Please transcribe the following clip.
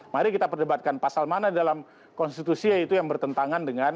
mari kita perdebatkan pasal mana dalam konstitusi itu yang bertentangan dengan hal ini